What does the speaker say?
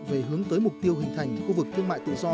về hướng tới mục tiêu hình thành khu vực thương mại tự do